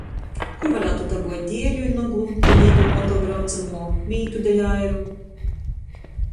Kur varātu dabuot dieļu i noglu deļ īdūmuotuo braucamuo, mītu deļ airu.